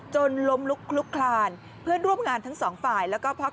จนล้มลุกลุกลานเพื่อนร่วมงานทั้งสองฝ่าย